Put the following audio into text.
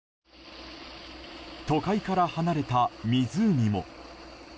都会から離れた湖も。